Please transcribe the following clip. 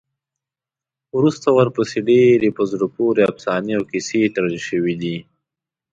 وروسته ورپسې ډېرې په زړه پورې افسانې او کیسې تړل شوي دي.